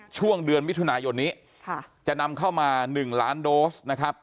ช่วงเดือนวิทยุนายนนี้จะนำเข้ามา๑ล้านโดส